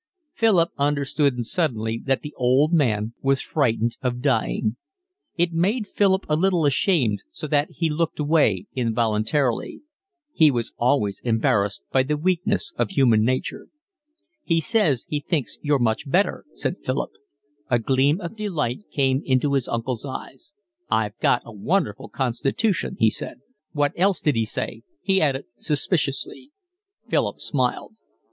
Philip understood suddenly that the old man was frightened of dying. It made Philip a little ashamed, so that he looked away involuntarily. He was always embarrassed by the weakness of human nature. "He says he thinks you're much better," said Philip. A gleam of delight came into his uncle's eyes. "I've got a wonderful constitution," he said. "What else did he say?" he added suspiciously. Philip smiled.